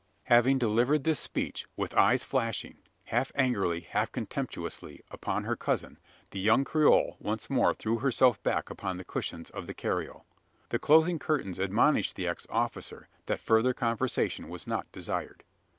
Having delivered this speech, with eyes flashing half angrily, half contemptuously upon her cousin, the young Creole once more threw herself back upon the cushions of the carriole. The closing curtains admonished the ex officer, that further conversation was not desired.